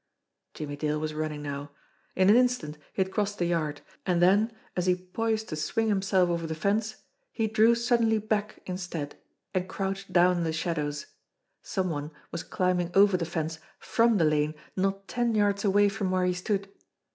Jimmie Dale was running now. In an instant he had crossed the yard; and then, as he poised to swing himself over the fence, he drew suddenly back instead, and crouched down in the shadows. Some one was climbing over the fence from the lane not ten yards away from where he stood.